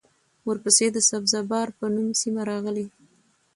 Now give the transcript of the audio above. ورپسې د سبزه بار په نوم سیمه راغلې